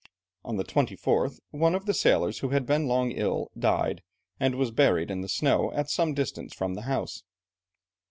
On the 24th, one of the sailors, who had been long ill, died, and was buried in the snow at some distance from the house.